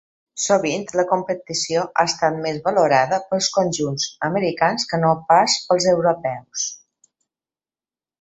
Sovint la competició ha estat més valorada pels conjunts americans que no pas pels europeus.